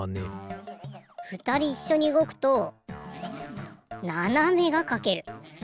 ふたりいっしょにうごくとななめがかける。